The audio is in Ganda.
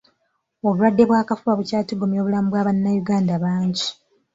Obulwadde bw'akafuba bukyatigomya obulamu bwa bannayuganda bangi.